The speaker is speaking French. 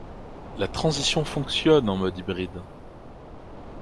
Le Transition fonctionne en mode hybride.